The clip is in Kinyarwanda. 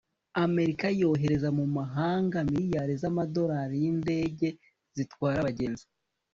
amerika yohereza mu mahanga miliyari z'amadolari y'indege zitwara abagenzi